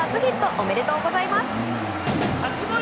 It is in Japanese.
おめでとうございます。